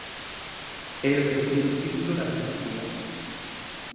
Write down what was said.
É o terceiro título da franquía.